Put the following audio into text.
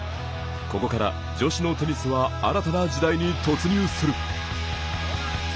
ここから、女子のテニスは新たな時代に突入する。